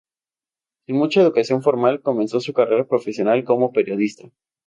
Sin mucha educación formal, comenzó su carrera profesional como periodista.